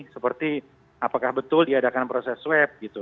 seperti apakah betul diadakan proses swab gitu